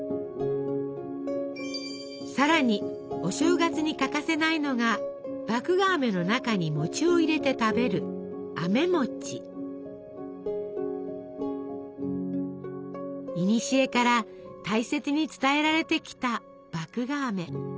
さらにお正月に欠かせないのが麦芽あめの中に餅を入れて食べるいにしえから大切に伝えられてきた麦芽あめ。